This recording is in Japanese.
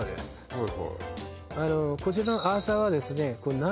はい